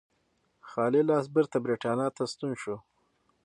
خالي لاس بېرته برېټانیا ته ستون شو.